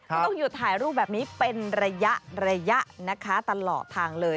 ก็ต้องหยุดถ่ายรูปแบบนี้เป็นระยะนะคะตลอดทางเลย